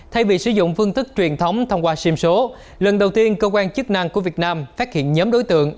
thay vì sử dụng phương thức truyền thống thông qua sim số lần đầu tiên cơ quan chức năng của việt nam phát hiện nhóm đối tượng